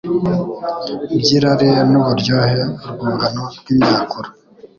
by’irari n’uburyohe, urwungano rw’imyakura